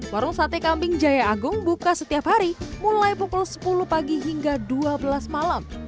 warung sate kambing jaya agung buka setiap hari mulai pukul sepuluh pagi hingga dua belas malam